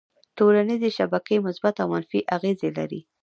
ټولنیزې شبکې مثبت او منفي اغېزې لري.